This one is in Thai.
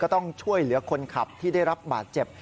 ต้องช่วยเหลือคนขับที่ได้รับบาดเจ็บ